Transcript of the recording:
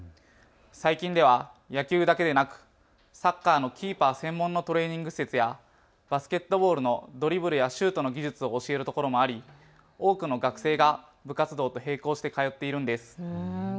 最近では野球だけでなくサッカーのキーパー専門のトレーニング施設やバスケットボールのドリブルやシュートの技術を教えるところもあり、多くの学生が部活動と並行して通っているんです。